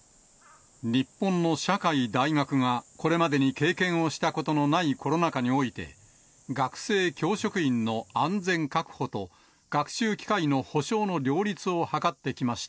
日本の社会・大学がこれまでに経験をしたことのないコロナ禍において、学生・教職員の安全確保と、学修機会の保障の両立を図ってきました。